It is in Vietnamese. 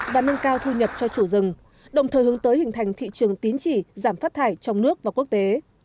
và nâng cao thu nhập cho chủ rừng đồng thời hướng tới hình thành thị trường tín chỉ giảm phát thải trong nước và quốc tế